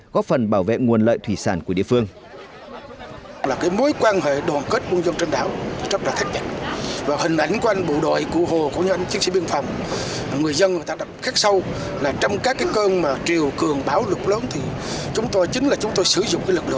góp phần bảo vệ nguồn lợi thủy sản của địa phương